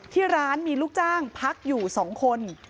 ที่ร้านมีลูกจ้างพักอยู่๒คน